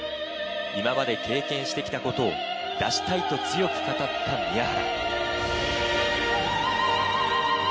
今まで経験して来たことを出したいと強く語った宮原。